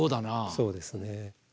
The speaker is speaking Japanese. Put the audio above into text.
そうですね。